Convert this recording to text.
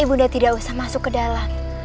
ibu undang tidak usah masuk ke dalam